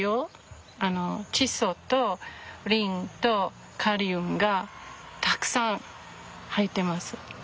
窒素とリンとカリウムがたくさん入ってます。